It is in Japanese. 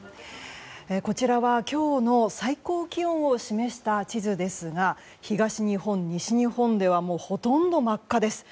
こちらは今日の最高気温を示した地図ですが東日本、西日本ではほとんど真っ赤です。